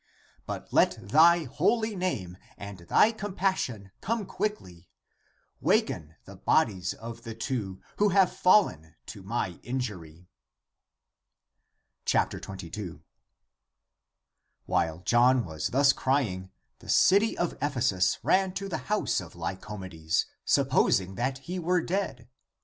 But let thy holy name and thy compassion come quickly! Waken the bodies of the two, who have fallen to my in jury." 22. While John was thus crying, the city of Ephesus ran to the house of Lycomedes, supposing that he were dead.